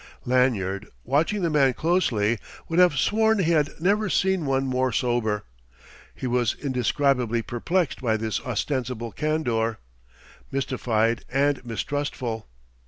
Lanyard, watching the man closely, would have sworn he had never seen one more sober. He was indescribably perplexed by this ostensible candour mystified and mistrustful.